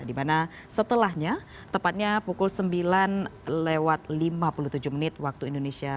dimana setelahnya tepatnya pukul sembilan lewat lima puluh tujuh menit waktu indonesia